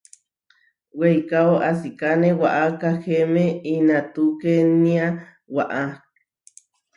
Weikáo asikáne waʼá Kahéme inatukénia waʼá.